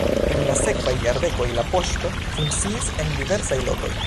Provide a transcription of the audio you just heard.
En la sekvaj jardekoj la poŝto funkciis en diversaj lokoj.